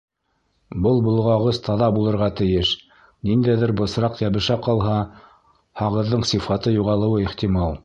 Был болғағыс таҙа булырға тейеш — ниндәйҙер бысраҡ йәбешә ҡалһа, һағыҙҙың сифаты юғалыуы ихтимал.